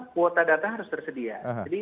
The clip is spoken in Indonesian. kuota data harus tersedia